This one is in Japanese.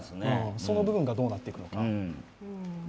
その部分がどうなっていくのか。